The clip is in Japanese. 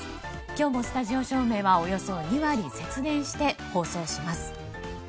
今日もスタジオ照明はおよそ２割節電して放送します。